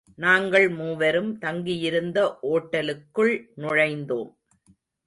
நாங்கள் மூவரும், தங்கியிருந்த ஒட்டலுக்குள் நுழைந்தோம்.